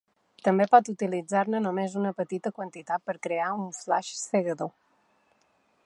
També pot utilitzar-ne només una petita quantitat per crear un flash cegador.